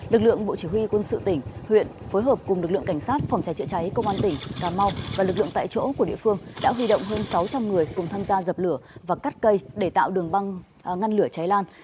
lực lượng bộ chỉ huy quân sự tỉnh huyện phối hợp cùng lực lượng cảnh sát phòng cháy chữa cháy công an tỉnh cà mau và lực lượng tại chỗ của địa phương đã huy động hơn sáu trăm linh người cùng tham gia dập lửa và cắt cây để tạo đường băng ngăn lửa cháy lan